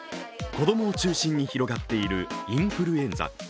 子供を中心に広がっているインフルエンザ。